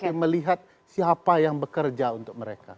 dan lihat siapa yang bekerja untuk mereka